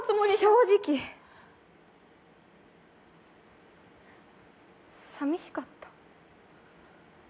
正直寂しかった。